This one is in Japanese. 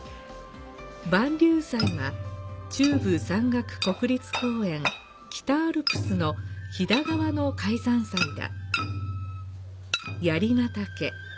播隆祭は、中部山岳国立公園・北アルプスの飛騨側の開山祭だ。